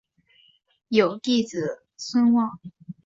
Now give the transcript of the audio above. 有弟子孙望。